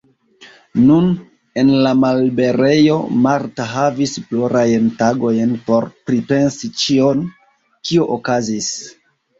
Nun, en la malliberejo, Marta havis plurajn tagojn por pripensi ĉion, kio okazis.